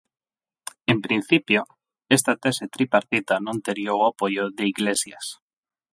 En principio, esta tese tripartita non tería o apoio de Iglesias.